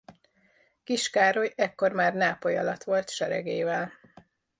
Kis Károly ekkor már Nápoly alatt volt seregével.